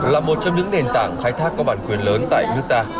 là một trong những nền tảng khai thác có bản quyền lớn tại nước ta